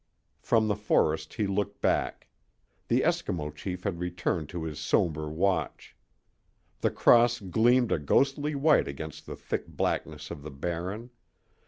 From the forest he looked back. The Eskimo chief had returned to his somber watch. The cross gleamed a ghostly white against the thick blackness of the Barren.